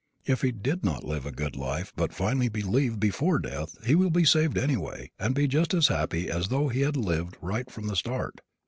If he did not live a good life but finally "believed" before death he will be saved anyway and be just as happy as though he had lived right from the start.